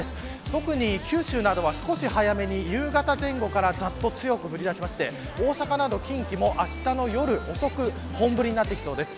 特に九州などは少し早めに夕方前後からざっと強く降りだしまして大阪など近畿もあしたの夜遅く本降りになってきそうです。